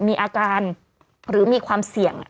มีอาการหรือมีความเสี่ยง